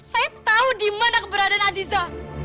saya tahu di mana keberadaan aziza